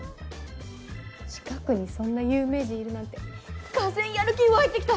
近くにそんな有名人いるなんて俄然やる気湧いてきた！